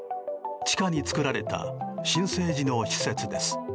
地下に作られた新生児の施設です。